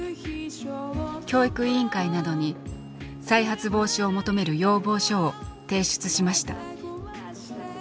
教育委員会などに再発防止を求める要望書を提出しました。